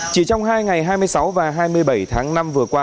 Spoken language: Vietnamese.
chỉ trong hai ngày hai mươi sáu và hai mươi bảy tháng năm vừa qua